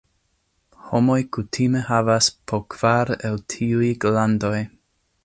Homoj kutime havas po kvar el tiuj glandoj.